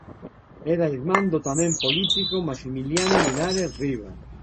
Era irmán do tamén político Maximiliano Linares Rivas.